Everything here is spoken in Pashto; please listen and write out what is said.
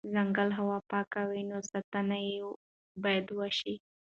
ځنګل هوا پاکوي، نو ساتنه یې بایدوشي